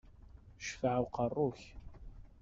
Ccfaɛ uqerru-k!